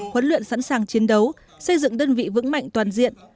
huấn luyện sẵn sàng chiến đấu xây dựng đơn vị vững mạnh toàn diện